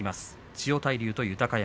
千代大龍と豊山。